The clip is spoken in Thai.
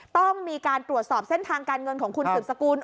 ต้องมีการตรวจสอบเส้นทางการเงินของคุณสืบสกุล